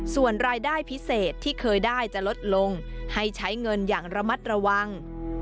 ส่วนรายได้พิเศษที่เคยได้จะลดลงให้ใช้เงินอย่างระมัดระวัง